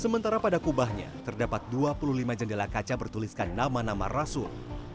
sementara pada kubahnya terdapat dua puluh lima jendela kaca bertuliskan nama nama rasul